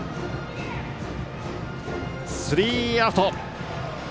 スリーアウト。